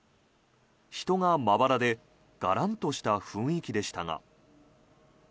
人がまばらでガランとした雰囲気でしたが。